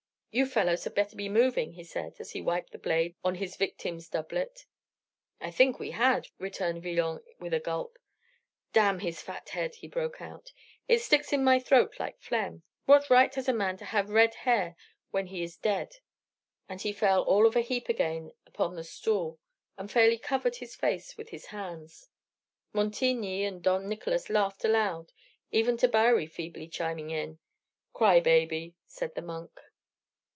"You fellows had better be moving," he said, as he wiped the blade on his victim's doublet. "I think we had," returned Villon with a gulp. "Damn his fat head!" he broke out. "It sticks in my throat like phlegm. What right has a man to have red hair when he is dead?" And he fell all of a heap again upon the stool, and fairly covered his face with his hands. Montigny and Dom Nicolas laughed aloud, even Tabary feebly chiming in. "Cry baby," said the monk.